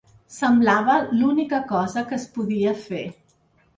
Semblava l'única cosa que es podia fer.